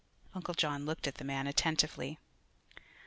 Uncle John looked at the man attentively.